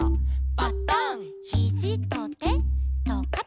「パタン」「ヒジとてとかた」